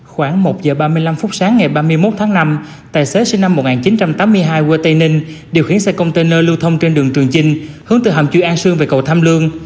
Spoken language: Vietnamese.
khoảng một giờ ba mươi năm phút sáng ngày ba mươi một tháng năm tài xế sinh năm một nghìn chín trăm tám mươi hai quê tây ninh điều khiển xe container lưu thông trên đường trường chinh hướng từ hầm chui an sương về cầu tham lương